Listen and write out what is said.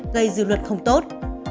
gây dư luật không tốt